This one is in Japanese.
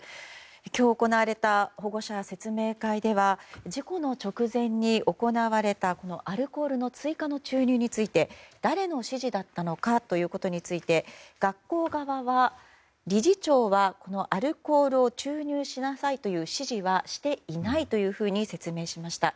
今日行われた保護者説明会では事故の直前に行われたアルコールの追加の注入について誰の指示だったのかということについて学校側は理事長はアルコールを注入しなさいという指示はしていないというふうに説明しました。